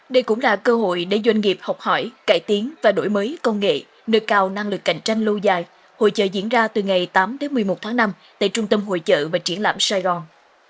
đây cũng là cơ hội để doanh nghiệp học hỏi cải tiến và đổi mới công nghệ nơi cao năng lực cạnh tranh lâu dài hội chợ diễn ra từ ngày tám đến một mươi một tháng năm tại trung tâm hội trợ và triển lãm sài gòn